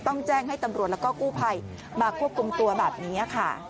ต้องแจ้งให้ตำรวจแล้วก็กู้ภัยมาควบคุมตัวแบบนี้ค่ะ